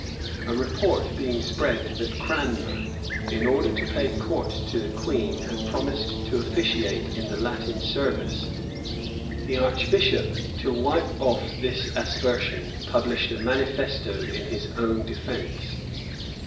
A report being spread that Cranmer, in order to pay court to the queen, had promised to officiate in the Latin service, the archbishop, to wipe off this aspersion, published a manifesto in his own defence.